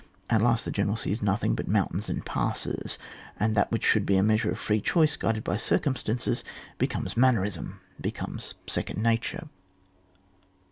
At last the general sees nothing but mountains and passes, and that which should be a measure of free choice glided by circum stances becomes mannerism, becomes second nature.